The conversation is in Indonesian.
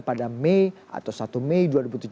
pada mei atau satu mei dua ribu tujuh belas